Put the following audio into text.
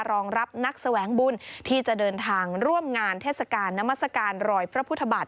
รองรับนักแสวงบุญที่จะเดินทางร่วมงานเทศกาลน้ำมัศกาลรอยพระพุทธบาท